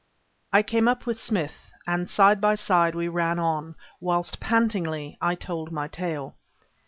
I came up with Smith, and side by side we ran on, whilst pantingly, I told my tale.